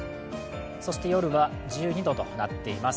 夜は１２度となっています。